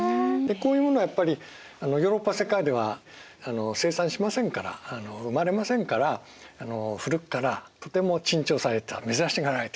こういうものはやっぱりヨーロッパ世界では生産しませんからあの生まれませんから古くからとても珍重されていた珍しがられていた。